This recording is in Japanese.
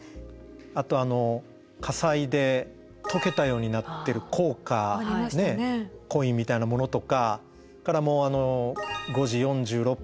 あとあの火災で溶けたようになってる硬貨コインみたいなものとかそれからもうあの５時４６分